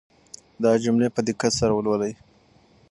دا جملې په دقت سره ولولئ.